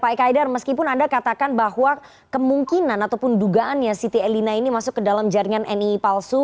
pak ekaidar meskipun anda katakan bahwa kemungkinan ataupun dugaannya siti elina ini masuk ke dalam jaringan nii palsu